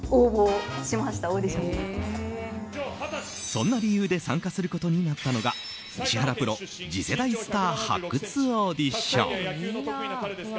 そんな理由で参加することになったのが石原プロ次世代スター発掘オーディション。